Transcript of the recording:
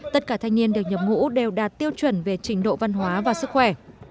tất cả thanh niên được nhập ngũ đều đạt tiêu chuẩn về trình độ văn hóa và sức khỏe